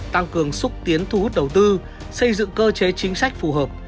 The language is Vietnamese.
tăng cường xúc tiến thu hút đầu tư xây dựng cơ chế chính sách phù hợp